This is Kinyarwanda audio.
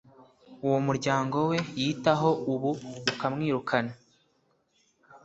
uwo muryango we yitaho ubu ukamwirukana